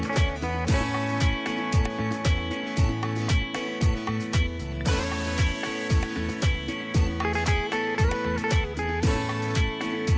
สวัสดีครับ